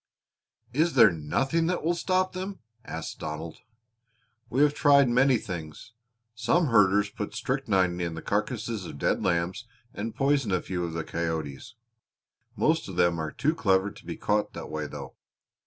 "Is there nothing that will stop them?" asked Donald. "We have tried many things. Some herders put strychnine in the carcasses of dead lambs and poison a few of the coyotes; most of them are too clever to be caught that way, though.